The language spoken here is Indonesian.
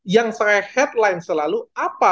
yang saya headline selalu apa